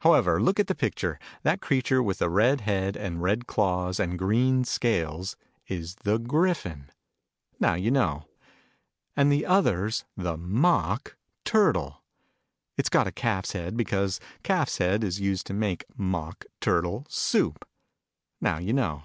However, look at the picture. That creature with a red head, and red claws, and green scales, is the Gryphon. Now you know. And the other's the Mock Turtle. It's got a calf's head, because calf's head is used to make Mock Turtle Soup. Now you know.